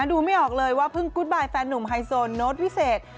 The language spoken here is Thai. ดูไม่ออกเลยว่าเพิ่งกุ๊ดบายแฟนหนุ่มไฮโซโน้ตวิเศษ